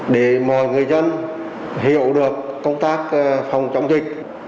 để mọi người dân hiểu được công tác phòng chống dịch